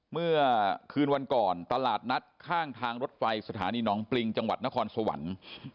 เมื่อคืนวันก่อนตลาดนัดข้างทางรถไฟสถานีน้องปริงจังหวัดนครสวรรค์